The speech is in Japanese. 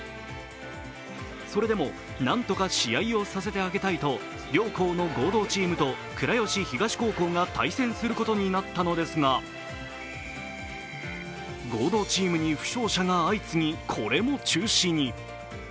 それでも何とか試合をさせてあげたいと両校の合同チームと倉吉東高校が対戦することになったのですが合同チームに負傷者が相次ぎ、これも中止に。